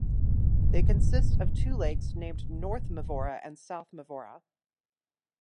They consist of two lakes named North Mavora and South Mavora.